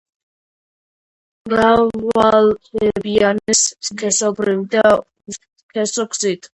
მრავლდებიან სქესობრივი და უსქესო გზით.